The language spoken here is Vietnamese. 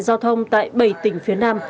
giao thông tại bảy tỉnh phía nam